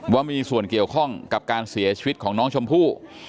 ว่ามีส่วนเกี่ยวข้องกับการเสียชีวิตของน้องชมพู่